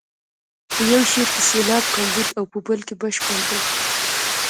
په یو شعر کې سېلاب کمبود او په بل کې بشپړ دی.